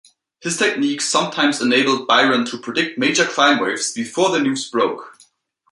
His techniques sometimes enabled Byron to predict major crime waves before the news broke.